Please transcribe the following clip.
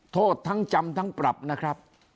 โทษทั้งจำทั้งปรับนะครับ